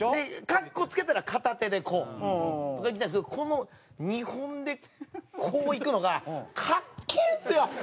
格好付けたら片手でこう。とかいきたいんですけどこの２本でこういくのがかっけえんですよ。